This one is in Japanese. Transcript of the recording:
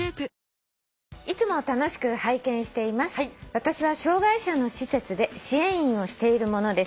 私は障害者の施設で支援員をしている者です」